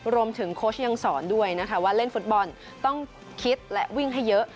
โค้ชยังสอนด้วยนะคะว่าเล่นฟุตบอลต้องคิดและวิ่งให้เยอะ